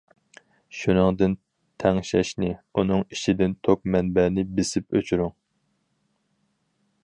شۇنىڭدىن تەڭشەشنى، ئۇنىڭ ئىچىدىن توك مەنبەنى بېسىپ ئۆچۈرۈڭ.